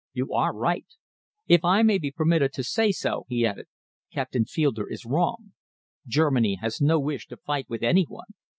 You are right. If I may be permitted to say so," he added, "Captain Fielder is wrong. Germany has no wish to fight with any one.